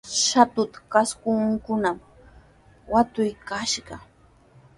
Shatuta kastankunami watukayashqa.